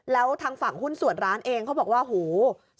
แล้วทางฝั่งหุ้นส่วนร้านเองเขาบอกว่าหู